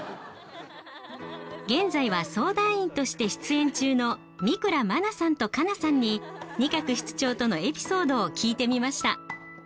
現在は相談員として出演中の三倉茉奈さんと佳奈さんに仁鶴室長とのエピソードを聞いてみました。